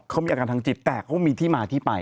เขามีอาการทางจิตแต่เขามีที่มาที่ไป